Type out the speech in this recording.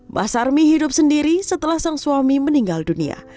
mbah sarmi hidup sendiri setelah sang suami meninggal dunia